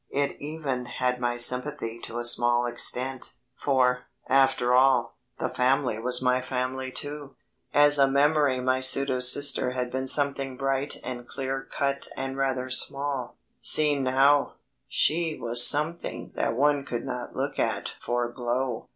It even had my sympathy to a small extent, for, after all, the family was my family too. As a memory my pseudo sister had been something bright and clear cut and rather small; seen now, she was something that one could not look at for glow.